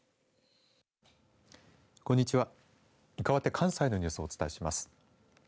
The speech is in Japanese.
かわって関西のニュースをお伝えします。